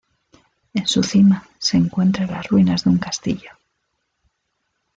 En su cima, se encuentra las ruinas de un castillo.